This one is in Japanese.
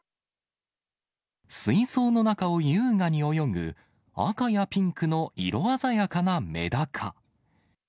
水槽の中を優雅に泳ぐ、赤やピンクの色鮮やかなメダカ。